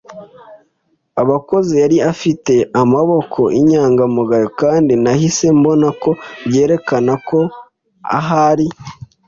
abakozi yari afite. Amaboko y'inyangamugayo - kandi nahise mbona ko byerekana ko ahari